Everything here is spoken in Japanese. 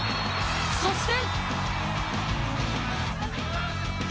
そして。